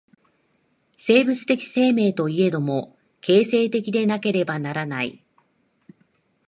生物的生命といえども、形成的でなければならない。